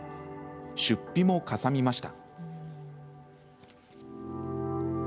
出費もかさみました。